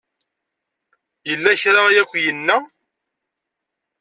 Yella kra ay ak-yenna?